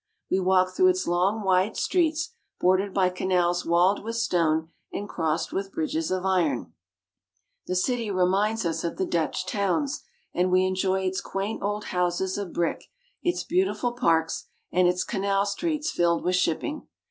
We walk through its long, wide streets, bordered by canals walled with stone and crossed with bridges of iron. TRAVELS IN NORWAY AND SWEDEN. 181 The city reminds us of the Dutch towns, and we enjoy its quaint old houses of brick, its beautiful parks, and its canal streets filled with shipping.